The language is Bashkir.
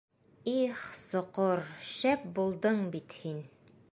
Их, соҡор, шәп булдың бит һин.